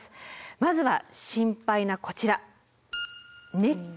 まずは心配なこちら。